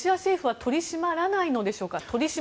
取り締まれないのでしょうか